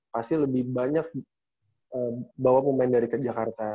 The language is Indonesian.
pasti lebih banyak bawa pemain dari ke jakarta